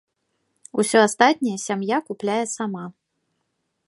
Усё астатняе сям'я купляе сама.